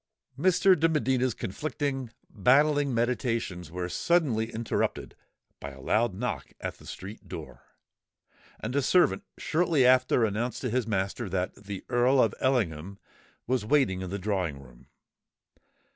Mr. de Medina's conflicting—battling meditations were suddenly interrupted by a loud knock at the street door; and a servant shortly after announced to his master that the Earl of Ellingham was waiting in the drawing room.